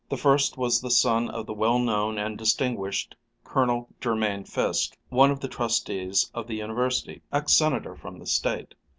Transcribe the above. The first was the son of the well known and distinguished Colonel Jermain Fiske, one of the trustees of the University, ex Senator from the State.